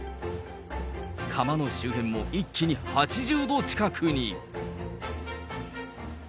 窯の周辺も一気に８０度近くに。